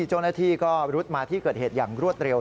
มีการแจ้งโจทย์นาทีก็รุดมาที่เกิดเหตุอย่างรวดเร็ว